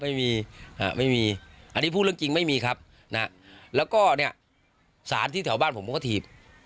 ไม่มีไม่มีอันนี้พูดเรื่องจริงไม่มีครับนะแล้วก็เนี่ยสารที่แถวบ้านผมผมก็ถีบ